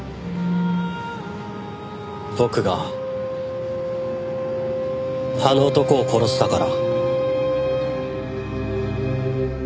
僕があの男を殺したから。